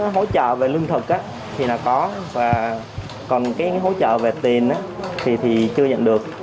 hỗ trợ về lương thực thì là có và còn cái hỗ trợ về tiền thì chưa nhận được